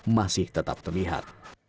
masih tetap terlihat